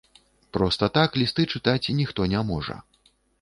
Проста так лісты чытаць ніхто не можа.